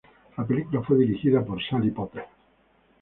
La película fue dirigida por Sally Potter.